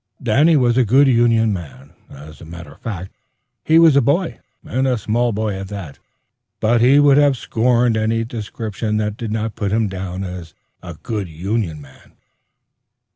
Danny was a good union man. As a matter of fact, he was a boy, and a small boy at that; but he would have scorned any description that did not put him down as "a good union man."